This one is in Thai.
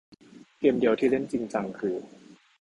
เกมเดียวที่เล่นจริงจังคือ